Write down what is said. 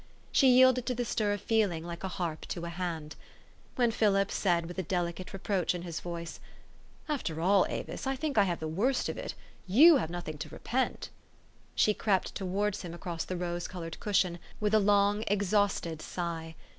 She yielded to the stir of feeling like a harp to a hand. When Philip said with a delicate reproach in his voice, "After all, Avis, I think I have the worst of it, you have nothing to repent," she crept towards him across the rose colored cushion with a long, ex hausted sigh.